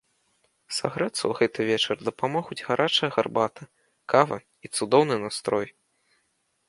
Сагрэцца ў гэты вечар дапамогуць гарачая гарбата, кава і цудоўны настрой!